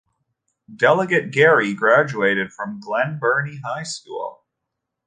Delegate Gary graduated from Glen Burnie High School.